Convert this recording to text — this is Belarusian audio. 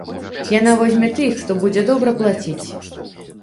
Яна возьме тых, хто будзе добра плаціць.